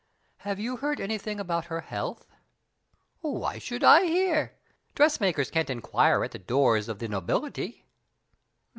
Have you heard anything about her health?" "How should I hear? Dressmakers can't inquire at the doors of the nobility."